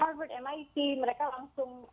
harvard mit mereka langsung